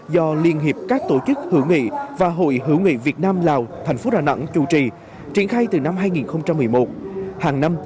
hàng năm các tổ chức hữu nghị và hội hữu nghị việt nam lào thành phố đà nẵng chủ trì triển khai từ năm hai nghìn một mươi một